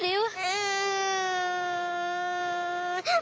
うん。